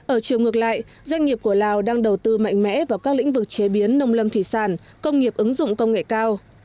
ở chiều ngược lại doanh nghiệp của lào đang đầu tư mạnh mẽ vào các lĩnh vực chế biến nông lâm thủy sản công nghiệp ứng dụng công nghệ cao